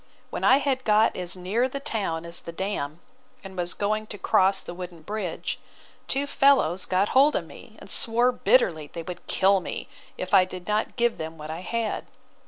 When I had got as near the town as the dam, and was going to cross the wooden bridge, two fellows got hold of me, and swore bitterly they would kill me, if I did not give them what I had.